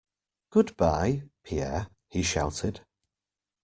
Goodbye, Pierre, he shouted.